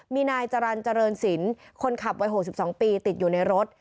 มีนายจรรย์เจริญสินคนขับวัย๖๒ปีติดอยู่ในรถ